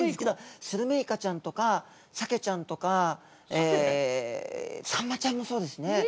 スルメイカちゃんとかサケちゃんとかえサンマちゃんもそうですね。